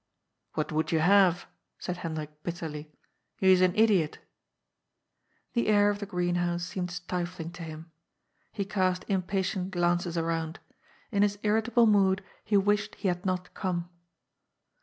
" What would you have?" said Hendrik bitterly. " He is an idiot." The air of the greenhouse seemed stifling to him. He cast impatient glances around. In his irritable mood he wished he had not come.